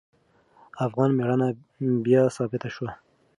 افغان میړانه بیا ثابته شوه.